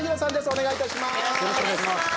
お願いいたします。